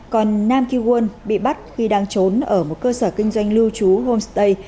còn nam ki won bị bắt khi đang trốn ở một cơ sở kinh doanh lưu trú homestay